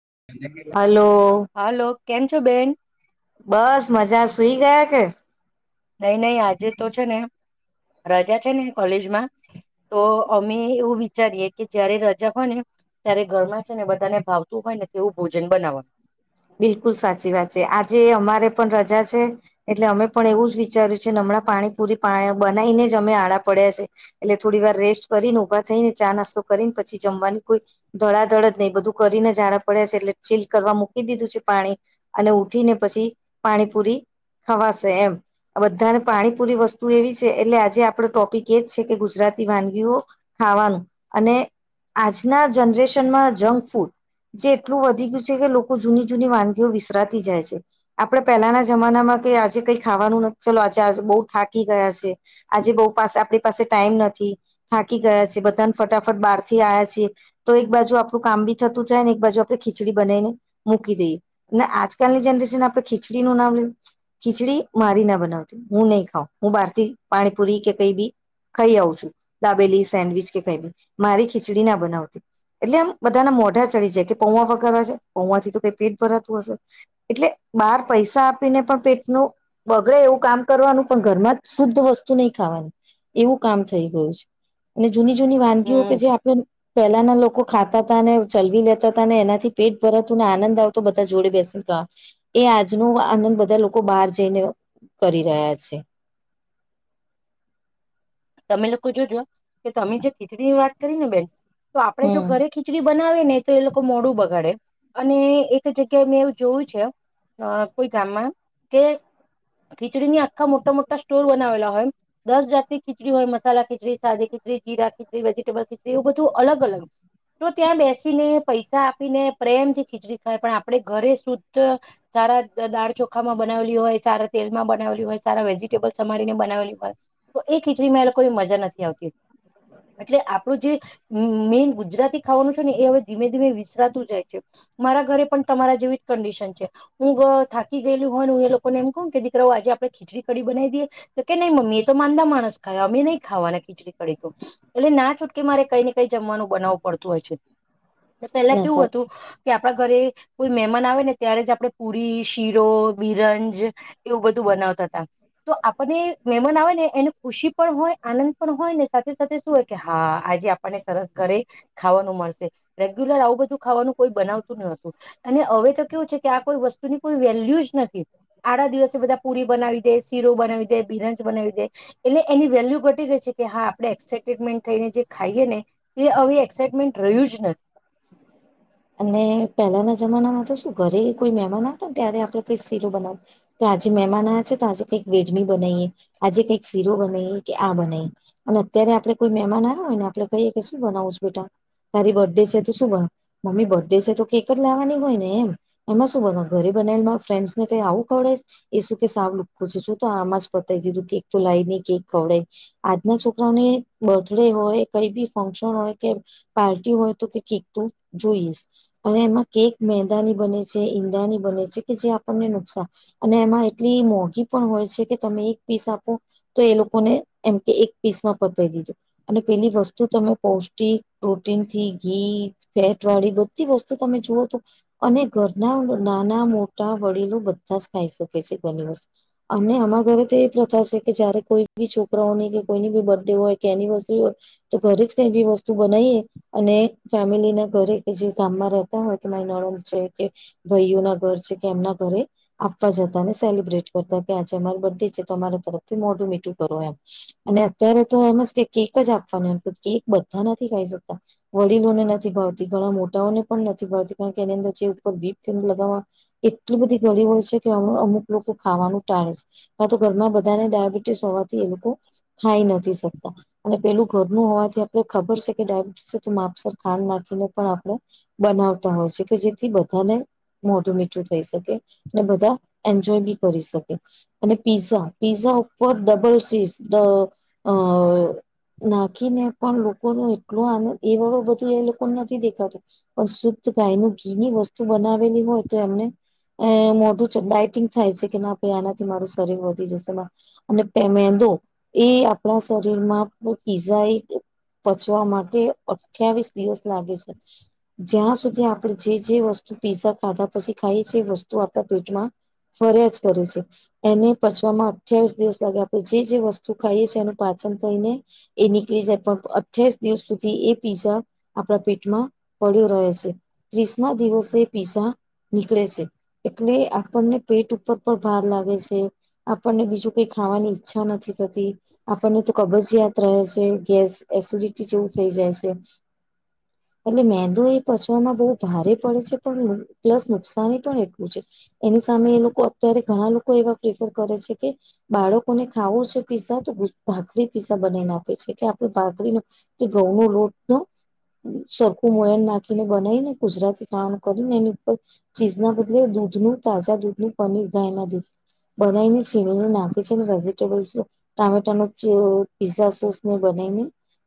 [unintelligible] હાલો કેમ છો બેન? બસ મજા સુઈ ગયા કે, નહી નહીં આજે તો છે, ને રજા છે ને કોલેજમાં તો અમે એવું વિચારીએે કે જયારે રજા હોય ને ત્યારે ઘરમાં છે ને બધાને ભાવતું હોય ને તેવું ભોજન બનાવવાનું. બિલકુલ સાચી વાત છે, આજે અમારે પણ રજા છે, એટલે અમે પણ એવું જ વિચાર્યું છે હમણાં પાણી પૂરી પા બનાવીને જ અમે આડા પડ્યા છે, એટલે થોડી વાર રેસ્ટ કરીને ઉભા થઈ ને ચા કરીને પછી જમવાની કોઈ ધડાધડ જ નહી બધું કરીને ઝડા પડ્યા છે, એટલે ચીલ કરવા મક દીધું છે, પાણી અને ઉઠીને પછી પાણી પુરી ખવાશે એમ બધાને પાણીપુરી વસ્તુ એવી છે, એટલે આજે આપડ ટોપિક એજ છે, કે ગુજરાતી વાનગીઓ ખાવાનું અને આજના જનરેશનમાં જંક ફૂડ જે એટલું વધી ગયું છે, કે લોકો જૂની જૂની વાનગીઓ વિસરાતી જાય છે, આપડે પહેલાના જમાનામાં કે આજે કઈ ખાવાનું નથી ચાલ બ થાકી ગયા છે, આજે બ પા આપણી પાસે ટાઈમ નથી થાકી ગયા છે, બધા ફટાફટ બારથી આયા છીએ તો એક બાજુ આપડું કામ બી થતું જાય ને એક બાજુ આપડણે ખીચડી બનાવીને મૂકી દઈ અને આજકાલની જનરેશન આપે ખીચડીનું નામ લે ખીચડી મારી ના બનાવતી હું નહી ખાઉ હું બહાર થી પાણીપુરી કે કઈ બી ખાઈ આવું છું, દાબેલી સેન્ડવીચ કે ફેબીન મારી ખીચડી ના બનાવતી એટલે આમ બધાને મોઢા ચડી જાય કે પૌવા વગર છે, હોવાથી તો કઈ પેટ ભરાતું હશે એટલે બાર પૈસા ીને પણ પેટ ન બગડે એવું કામ કરવાનું પણ ઘરમાં જ શુદ્ધ વસ્તુ નહી ખાવાની એવું કામ થઈ ગયું છે. અને જૂની જૂની વાનગીઓ કે હમ જે આપણે પહેલાના લોકો લોકો ખાતા હતા ને ચલવી લેતા હતા ને એનાથી પેટ પરતુંને આનંદ આવતો બધા જોડે બેસે ને ક એ આજનો આનંદ બધા લોકો બહાર જઈને કરી રહ્યા છે. તમે લોકો જોજ કે તમે જે ખીચડીની વાત કરી ને બેન તો આપડે જો હમ ઘરે ખીચડી બનાવી આવે ને તો એ લોકો મોડું બગાડે અને એક જગ્યાએ મેં એવું જોયું છે, અ કોઈ ગામમાં કે ખીચડીની આખા મોટા મોટા સ્ટોર બનાવેલા હોય દસ જાતિ ખીચડી હોય મસાલા ખીચડી સાદી ખીચડી જીરા ખીચડી વેજીિટેબલ ખીચડી એવું બધું અલગ અલગ તો ત્યાં બેસીને પૈસા આપીને પ્રેમ થી ખીચડી ખાય, પણ આપણે ઘરે શુદ્ધ સારા દાળ ચોખામાં બનાવેલી હોય, સારા તેલ માં બનાવેલી હોય સારા વેજીિટેબલ સમારીને બનાવેલી હોય એ ખીચડીમાંહે એ લોકો કોઈ મજા નથી આવતી. એટલે આપણું જે મેન ગુજરાતી ખાવાનું છે, ને એ હવે ધીમે ધીમે વિસરાતું જાય છે, મારા ઘરે પણ તમારા જેવી જ કંડિશન છે, હું થાકી ગયેલું હોય એ લોકોને એમ કહ કે દીકરા વા આપડે ખીચડી કડી બનાવી દઈએ તો કે નઈ મમ્મી તો માદા માણ અમે નહી ખાવાના ખીચડી કડી એટલે ના છૂટકે મારે કઈ ને કઈ જમવાનું બનાવું પડતું હોય છે, હ [inaudible] પેલા કેવું હતું કે, આ આપણા ઘરે કોઈ મહેમાન આવે ને ત્યારે, જ આપડે પુરી, શીરો બિરંજ એવું બધું બના બનાવતાતા તો આપણને મેમાન આવે ને એનું ખુશી પણ હોય, આનંદ પણ હોય, ને સાથે સાથે શું હોય, કે હા આજે આપણને સરસ ઘરે ખાવાનું મ રેગ્યુલર આવું બધું ખાવાનું કોઈ બનાવતું નતું. અને હવે તો એવું છે કે આ કોઈ વસ્તુની કોઈ વેલ્યુ જ નથી. આડા દિવસે બધા પુરી બનાવી દે, સીરો બનાવી દે બિરંજ બનાવી દે. એટલે એની વેલ્યુ ઘટી ગઈ છે. કે હા આપણેે એક્સાઇટેડમેન્ટ થઈને જે ખાઈએ ને એ હવે એક્સાઇટમેન્ટ રહ્યું જ નથી. શ [inaudible] અને પહેલાના જમાનામાં તો શું ઘરે કોઈ મહેમાન આવતા ને ત્યારે, આપડે કોઈ સીરો બનાવતા. આજે મહેમાન આ્યા છે, તો આજે કંઈક વેડની બનાવીએ, આજે કંઈક સીરો બનાવીએ, કે આ બનાવીએ, અને ત્યારે આપડે કોઈ મહેમાન આવ્યા હોય ને, આપણે કહીએ કે શું બનાવું છું બેટા? તારી બર્થડે છે તો શું બના? મમ્મી બર્ડે છે તો કેક જ લાવવાની હોય ને, એમ એમાં શું બનાવવાનુ ઘરે બનાવી ને ફ્રેન્ડ્સને કઈ આવું ખવડા એ શું કે સાવ લુુંખો છે. તો આમાં જ પતાય દીધું. કેક તો લાઈ ને કેક ખવડાવી. આજના છોકરા મને બર્થડે હોય કઈ બી ફંક્શન હોય કે, પાર્ટી હોય તો કે કેક તો જોઈએ. અને એમાં કેક મેંદાની બને છે, ઈંડાની બને છે, કે જે આપણને નુકસાન અને એમાં એટલી મોંઘી પણ હોય છે, કે તમે એક પીસ આપો તો એ લોકોને એમ કે એક પીસમાં પતાવી દીધો. અને પેલી વસ્તુ તમે પૌષ્ટિક પ્રોટીન થી ઘી ફેટ વાળી બધી વસ્તુ તમે જુવોઓ તો, અને ઘરના નાના મોટા વડીલો બધા જ ખાઈ શકે છે. ઘરની વસ્તુ અને આમાર ઘરે તે પ્રથા છે કે, જયારે કોઈ બી છોકરાઓની કે, કોઈની બી બર્થેય કે, એનિવર્સરી હોય તો ઘરે જ કઈ બી વસ્તુ બનાયે અને ફેમિલી એના ઘરે કે જે ગામમાં રહેતા હોય કે, મારી નણંદ છે કે, ભાઈઓ ના ઘર છે કે એમના ઘરે આપવા જતા અને સેલિબ્રેટ કરતા કે, આજે અમારી બર્થડે છે, તો અમારા તરફથી મોઢું મીઠું કરો એમ. અને અત્યારે તો એમ જ કે કેક જ આપવાનું, કેક બધા નથી ખાઈ શકતા. વડીલોને નથી ભાવતી ઘણા મોટાઓને પણ નથી ભાવતી. કારણ કે એની અંદર જે ઉપર વીપ લગાવવા એટલી બધી ગ અમુક લોકો ખાવાનું ટાળે છે. તો ઘરમાં બધાને ડાયાબિટીસ હોવા એ લોકો ખાઈ નથી શકતા. અને પેલું ઘરનું હોવાથી આપણે ખબર છે કે, ડાયાબિટીસ માપસર ખાંડ નાખીને પણ આપણે બનાવતા હોય છે. કે જેથી બધાને મોઢું મીઠું થઈ શકે. અને બધા એન્જોય બી કરી શકે. અને પીઝા પીઝા ઉપર ડબલ ચીઝ ધ અઅ નાખી ને પણ લોકો ને એટલો આનંદ એ વર બ [inaudible] એ લોકોને નથી દેખાતું. પણ શુદ્ધ ગાય નું ઘી ની વસ્તુ બનાવેલી હોય તો, એમને એ મોઢું છે. ડાઇટિંગ થાય છે, કે ના પે આના મારું શરીર વધી જશે. અને મેંદો એ આપણા શરીરમાં પીઝા એક પચવા માટે અઠ્યાવીસ દિવસ લાગે છે. જ્યાં સુધી આપણે જે જે વસ્તુ પીઝા ખાધા પછી ખાય છે. વસ્તુ આપણા પેટમાં ફરિયા જ કરે છે. એને પચવામાં અઠ્યાવીસ દિવસ લાગે, આપડણે જે વસ્તુ ખાઈએ એનું પાચન થઈને એ નીકળી જાય. પણ અઠ્યાવીસ દિવસ સુધી એ પીઝા આપણા પેટમાં પડ્યો રહે છે. ત્રીસમા દિવસે પીઝા નીકળે છે. એટલે આપણને પેટ ઉપર પણ ભાર લાગે છે. આપણને બીજું કઈક ખાવાની ઈચ્છા નથી થતી. આપને તો કબ જિયાત રહે છે. ગેસ, એસિડિટી જેવું થઇ જાય છે. એટલે મેંદુ એ પચવામાં બહુ ભારે પડે છે. પણ પ્લસ નુકસાની પણ એટલી એની સામે એ લોકો અત્યારે ઘણા લોકો એવા પ્રેફર કરે છે, કે બાળકોને ખાવો છે પીસા તો ભાખરી પીસા બનાવીને આપે છે કે આપડ ભાખરી ન કે ઘઉં નો લોટ નો [inaudible] સરખું મોયન નાખીને બનાવીને ગુજરાતી ખાવાનું કરીને એની ઉપર ચીઝ ના બદલે દૂધ નુ તાજા દૂધ નુ પનીર ગાયના દૂધ બનાવીને છીણીને નાખે છે ને વેજીિટેબલ ટામેટા નુ પીઝા સોસ ને બ ને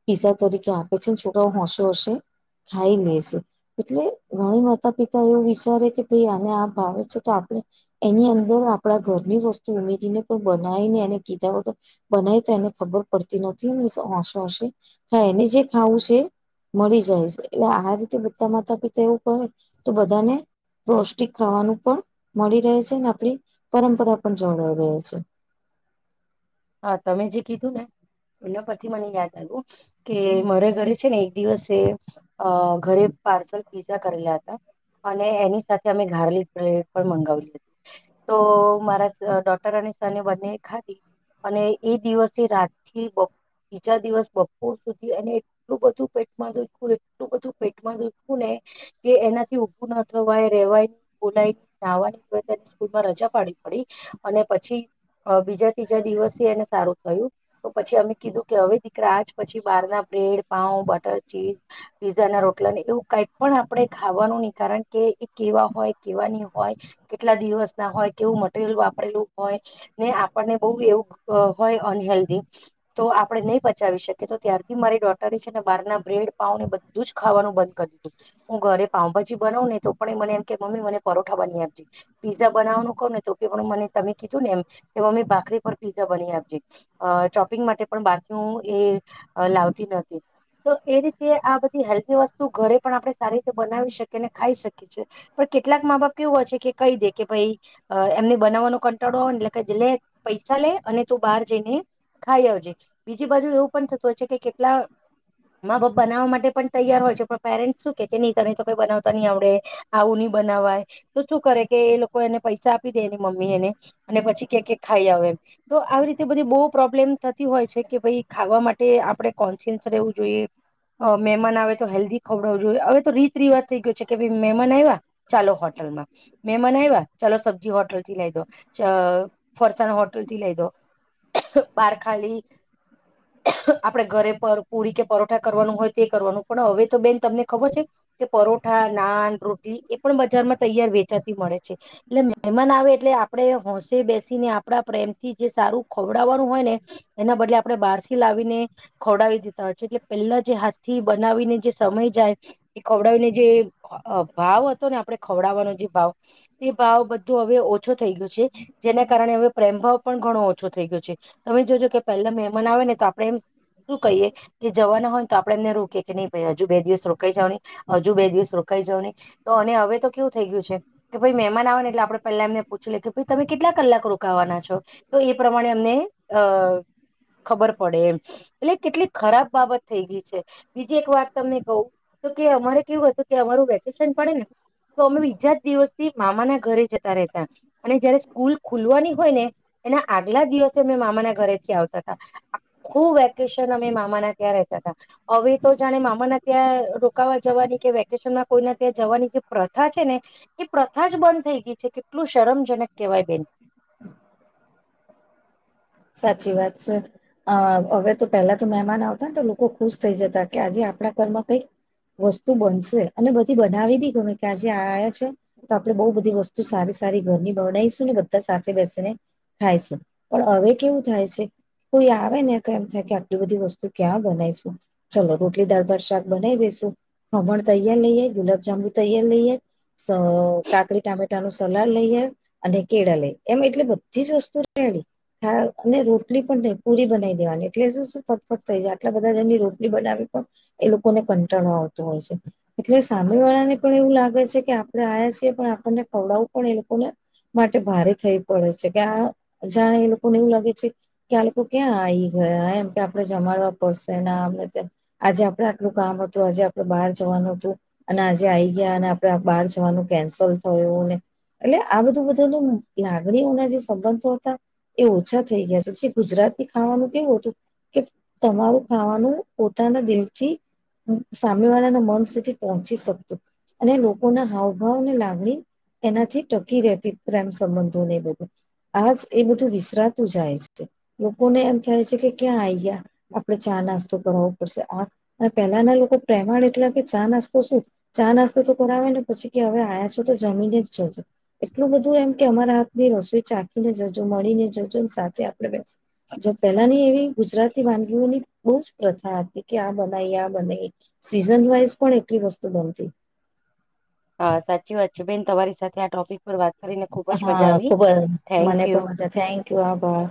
પીઝા તરીકે આપે છે ને છોકરા હો [unintelligible] ખાઈ લે છે એટલે ઘણી માતા પિતા એવું વિચારે કે ભઈ આને આ ભાવે છે તો આપણે એની અં દર આપણા ઘરની વસ્તુ ઉમેરીને પણ બનાવીને એને કીધા હો તો બનાય તો એને ખબર પડતી ન [unintelligible] જે ખાવું છે. મળી જાય છે એટલે આ રીતે બધા માતા પિતા એવું કહે તો બધાને પૌષ્ટિક ખાવાનું પણ મળી રહે છે અને આપણી પરંપરા પણ જોળવાઈ રહે છે. [inaudible] હા તમે જે કીધું ને એના પરથી મને યાદ આવ્યું કે મારે ઘરે છે ને એક દિવસે અ ઘરે પાર્સલ પિઝા કરેલા હતા. અને એની સાથે અમે ગારલી પટ પણ મંગાવલી હતી તો મારા ડોટર અને બને ખાધી અને એ દિવસે રાતથી બીજા દિવસ બપોર સુધી અને એટલું બધું પેટમાં દોખયુ એટલું બધું પેટમાં દોખ્યું ને કે એનાથી ઉભું ન થવાય રેવાય બોલાય નાહવાનીય તેની સ્કૂલ માં રજા પાડી પડી અને પછી બીજા ત્રીજા દિવસ પછી એને સારું થયું તો પછી અમે કીધું કે હવે દીકરા જ પછી બહાર ના બ્રેડ પાઉ બટર ચીઝ પીઝા ના રોટલા ને એવું કઈ પણ આપડે ખાવાનું નય કારણ કે એ કેવા હોય કેવા ની હોય કેટલા દિવસ ના હોય કેવું મટીરિયલ વાપરેલું હોય ને આપણને બોવ એવું હોય અનહેલ્ધી તો આપડે નહીં બચાવી શકીએ તો ત્યારથી મારી ડોટરી છે ને બાર ના બ્રે ડ પાાવને બધું જ ખાવાનું બંધ કરી દીધું. હું ઘરે પાઉભાજી બનાવુ ને તો પણ મને એમ કે મમ્મી મને પરોઠા બની આપજે પીઝા બનાવાનું કવ ને તો કે પણ મને કીધું ને એમે કે મમી ભાખરી પર પીઝા બની આપજે પીગ માટે પણ બાારું એ લાવતી નતી તો એ રીતે આ બધી હેલ્ધી વસ્તુ ઘરે પણ આપણે સારી રીતે બનાવી શકીએ અને ખાઈ શકીએ પણ કેટલાક મા બાપ કેવું હ છે કે કહી દે કે ભાઈ અ એમની બનાવવાનો કંટાળો હોય ને એટલે કે લે પૈ આવજે બીજી બાજુ એવું પણ થતું હોય છે કે કેટલા મા બાપ બનાવવા માટે પણ તૈયાર હોય છે પણ પેરેન્ટ્સ શું કે નહી તને તો કઈ બનાવતા ની આવડે આવું નહીિ બનાવાય તો શું કરે કે એ લોકો એને પૈસા આપી દે એની મમ્મી એને અને પછી કે ક ખાઈ આવ એમ તો આવી રીતે બધી બો પ્રોબ્લેમ થતી હોય છે કે ભાઈ ખાવા માટે આપણે કોન્સિયન્સ રહેવું જોઈએ. અ મહેમાન આવે તો હેલ્ધી ખવડાવું જોઈએ હવે તો રીત રિવાજ થઈ ગયો છે કે ભાઈ મહેમાન આવ્યા ચાલો હોટ ટલમા મેહેમાન આવ્યા ચાલો સબ્જી હોટલ થી લઈ દો અ ફરસાણ હો બારખાલી આપડે ઘરે પુરી કે પરોઠા કરવાનું હોય તે કરવાનું પણ હવે તો બેન તમને ખબર છે કે પરોઠા નાન રોટલી એ પણ બજારમાં તૈયાર વેચાતી મળે છે એટલે મહેમાન આવે એ એટલે આપણેે હોંશે બેસીને આપડા પ્રેમ થી જે સારું ખવડાવવાનું હોય ને એના બદલે આપણે બહાર થી લાવીને ખવડાવી દેતા હોય છે. એટલે પેલા જે હાથથી બનાવીને જે સમય જાય એ ખવડાવીને જે ભાવ હતો. આપણે ખવડાવવાનો જે ભાવ તે ભાવ બધો હવે ઓછો થઈ ગયો છે જેના કારણે હવે પ્રેમ ભાવ પણ ઘણો ઓછો થઈ ગયો છે તમે જોજો કે પહેલા મેંમાન આવે ને તો આપડે એમ શું કહીએ કે જવાના હોય તો આપડે એમને રો કે કે નહી ભાઈ હજુ બે દિવસ રોકાઈ જાવ ની હજુ બે દિવસ રોકાઈ જાવ ની તો અને હવે તો કેવું થઈ ગયું છે. કે ભાઈ મહેમાન આવે ને એટલે આપણે પેલા એમને પૂછી લે કે ભાઈ તમે કેટલા કલાક રો કાવાના છો તો એ પ્રમાણે અમને અ ખબર પડે એમ એટલે કેટલી ખરાબ બાબત થઈ ગઈ છે બીજી એક વાત તમને કહું- તો કે અમારે કેવું હતું કે અમારું વેકેશન પડે ને તો અમે બીજા જ દિવસથી મામાના ઘરે જતા રહેતા અને જયારે સ્કૂલ ખુલવાની હોય ને એના આગલા દિવસે મેં મામાના ઘરેથી આવતા હતા આખુ વેકેશન અમે મામાના ત્યાં રહેતા હતા હવે તો જાણે મામાના ત્યાં રોકાવા જવાની કે વેકેશન કોઈના ત્યાં જવાની જે પ્રથા છે ને એ પ્રથા જ બંધ થઈ ગઈ છે કે આટલું શરમજનક કહેવાય બેન સાચી વાત છે અ હવે તો પેલા તો મહેમાન આવતા ને તો લોકો ખુશ થઈ જતા કે આજે આપ ણા ઘરમાં કઈક વસ્તુ બનશે અને બધી બનાવી બી ગમે કે આજે આ્યા છે તો આપડે બહુ બધી વસ્તુ સારી સારી ઘરની બનાવીશું ને બધા સાથે બેસીને ખાયશું પણ હવે કેવું થાય છે કોઈ આવે ને તો એમ થાય કે આટલી બધી વસ્તુ ક્યાં બનાવીશું ચલો રોટલી દાળ ભાત શાક બનાવી દેશું ખમણ તૈયાર લઈ આઈ ગુલાબ જાામુ તૈયાર લઈ આઈ અ કાકડી ટામેટા નું સલાડ લઈ આઈ અને કેળા લે એમ એટલે બધી જ વસ્તુ [unintelligible] હા અને રોટલી પણ નહી પુરી બનાવી દેવાની એટલે શું શું ફટફટ થઈ જાય આટલા બધા જણની રોટલી બનાવી એ લોકોને કંટાળવા આવતું હોય છે એટલે સામે વાળા ને પણ એવું લાગે છે કે આપણે આ પણ આપણને પવડાવું પણ એ લોકોને માટે ભારે થઈ પડે છે કે આ જાણે એ લોકોને એવું લાગે છે કે આ લોકો ક્યાં આવી ગયા એમ કે આપણે જમાડવા પડશે ને આમ ને તેમ આજે આપડે આટલું કામ હતું આજે આપડે બહાર જવાનું અને આજે આઈ ગયા આપડે બાર જવાનું કેન્સલ થયું એટલે આ બધું લાગણીઓના જે સંબંધો હતા એ ઓછા થઈ ગયા છે જે ગુજરાતી ખાવાનું એવું હતું કે તમારું ખાવાનું પોતાના દિલથી સામી વાળા ના મન સુધી પહોંચી શકતું અને લોકોના હાવભાવની લાગણી એનાથી ટકી રહેતી પ્રેમ સંબંધોને એ બધું આજ એ બધું વિસરાતું જાય છે લોકોને એમ થાય છે કે ક્યાં આય ગ્યા આપણેે ચા નાસ્તો કરાવવો પડશે પેલાના લોકો પ્રેમાણ એટલા કે ચા ચા નાસ્તો શું ચા નાસ્તો તો કરાવે ને પછી હવે આવ્યા છો તો જમીને જ જજો. એટલું એમ કે અમારા હાથની રસોઈ ચાખીને જજો મળી ને જજો સાથે જો પેલાની એવી ગુજરાતી વાનગીઓની બહુ જ પ્રથા હતી કે આ બનાઈ એ આ બનાઈ એ સીઝન વાઈઝ પણ એટલી વસ્તુ બનતી હા સાચી વાત છે બેન તમારી સાથે આ ટોપિક પર વાત કરીને ખુબ જ મજા હા આવી ખુબ જ થેન્ક મને યુ પણ મજા થેન્ક યુ આભાર